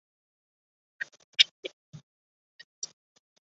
李凯茵就读佛教黄允畋中学。